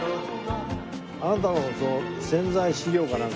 あなたの宣材資料かなんかに。